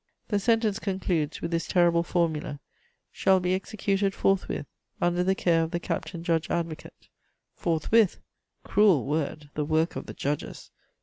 "The sentence concludes with this terrible formula: 'shall be executed FORTHWITH, under the care of the captain judge advocate.' "FORTHWITH! Cruel word, the work of the judges!